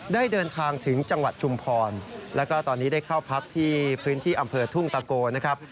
ได้เดินทางถึงจังหวัดชุมพรแล้วก็ตอนนี้ได้เข้าพักที่พื้นที่อำเภอทุ่งตะโกนะครับ